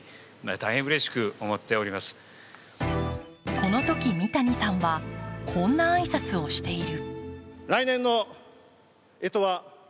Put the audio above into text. このとき、三谷さんはこんな挨拶をしている。